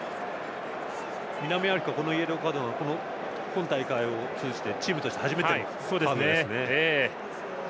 南アフリカはこのイエローカードは今大会を通じてチームとして初めてのカードですね。